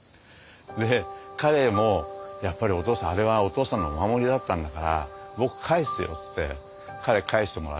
で彼もやっぱり「お父さんあれはお父さんのお守りだったんだから僕返すよ」っつって彼は返してくれて。